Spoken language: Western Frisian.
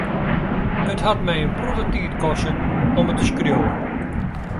It hat my in protte tiid koste om it te skriuwen.